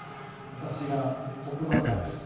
私がトップバッターです。